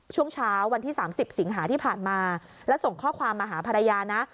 ช่วงเช้าวันที่๓๐สิงหาที่ผ่านมาแล้วส่งข้อความมาหาภรรยานะ